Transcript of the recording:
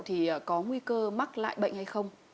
thì có nguy cơ mắc lại bệnh hay không